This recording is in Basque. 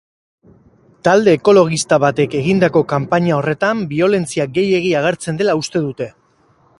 Talde ekologista batek egindako kanpaina horretan biolentzia gehiegi agertzen dela uste dute.